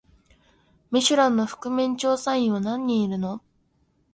ミシュランの覆面調査員は何人いるの？